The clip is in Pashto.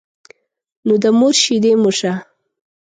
نو د مور شيدې مو شه.